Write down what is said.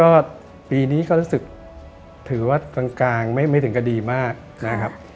ราศีกุมนี่ก็ปีนี้เขารู้สึกถือว่าตอนกลางไม่ถึงก็ดีมากนะครับ